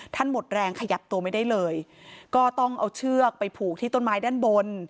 หมดแรงขยับตัวไม่ได้เลยก็ต้องเอาเชือกไปผูกที่ต้นไม้ด้านบน